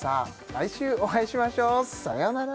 来週お会いしましょうさよなら